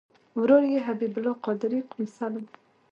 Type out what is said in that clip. ورور یې حبیب الله قادري قونسل و.